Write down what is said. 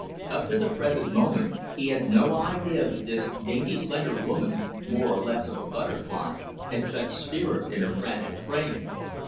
Up to the present moment he had no idea that this dainty, slender woman, more or less of a butterfly, had such spirit in her fragile frame.